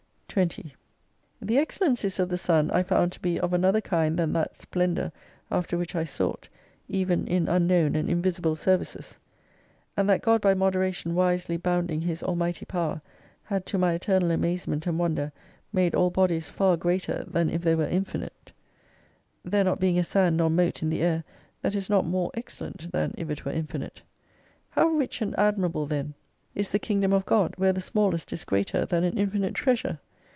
20 The excellencies of the Sun I found to be of another kind than that splendour after which I sought, even in unknown and invisible services : and that God by moderation wisely bounding His almighty power, had to my eternal amazement and wonder, made all bodies far greater than if they were infinite : there not being a sand nor mote in the air that is not more excellent than if it were infinite. How rich and admirable then is the 172 Kingdom of God, where the smallest is greater than an infinite treasure